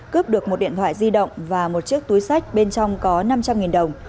cướp được một điện thoại di động và một chiếc túi sách bên trong có năm trăm linh đồng